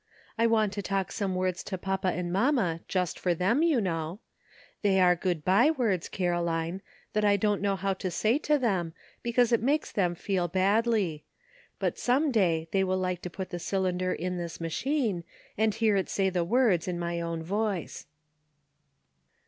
I want to talk some words to papa and mamma just for them, you know. They are good by words, Caroline, that I don't know how to say to them, because it makes them feel badly ; but some day they will like to put the cylinder in this machine and hear it say the words in hiy own voice."